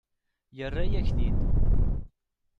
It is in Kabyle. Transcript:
Yerra-yak-t-id.